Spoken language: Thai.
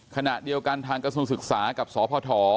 ขณะเดียวกันทางกระทรวงศึกษากับสพ